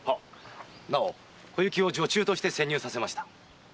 なお小雪を女中として潜入させました。